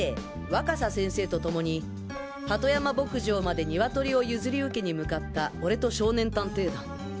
若狭先生とともに鳩山牧場までニワトリを譲り受けに向かった俺と少年探偵団